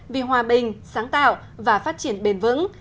vì hòa bình sáng tạo và phát triển bền vững